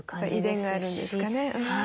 遺伝があるんですかね。